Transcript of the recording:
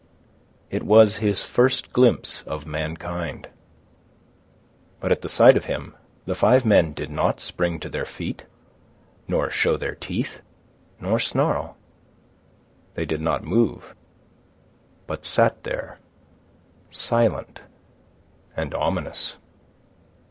It was his first glimpse of mankind. But at the sight of him the five men did not spring to their feet, nor show their teeth, nor snarl. They did not move, but sat there, silent and ominous.